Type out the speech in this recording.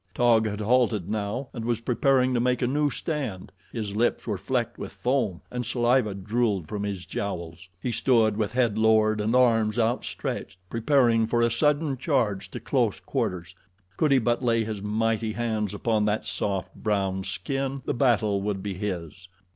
Taug had halted now and was preparing to make a new stand. His lips were flecked with foam, and saliva drooled from his jowls. He stood with head lowered and arms outstretched, preparing for a sudden charge to close quarters. Could he but lay his mighty hands upon that soft, brown skin the battle would be his.